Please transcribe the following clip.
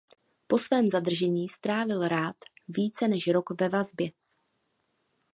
Po svém zadržení strávil Rath více než rok ve vazbě.